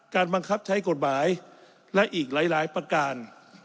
บังคับใช้กฎหมายและอีกหลายประการ